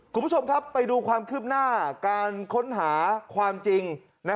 คุณผู้ชมครับไปดูความคืบหน้าการค้นหาความจริง